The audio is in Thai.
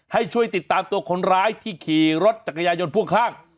ให้ช่วยติดตามตัวคนร้ายที่ขี่รถจักรยายนพ่วงข้าง